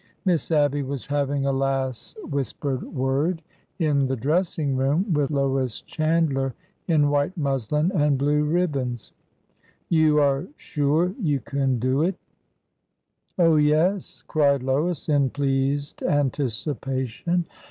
Miss Abby was having a last whispered word in the dressing room with Lois Chandler, in white muslin and blue ribbons. You are sure you can do it? " Oh, yes !" cried Lois, in pleased anticipation.